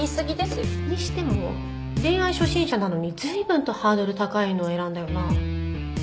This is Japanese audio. にしても恋愛初心者なのに随分とハードル高いのを選んだよな。